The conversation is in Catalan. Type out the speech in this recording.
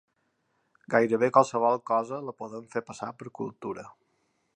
Gairebé qualsevol cosa la podem fer passar per cultura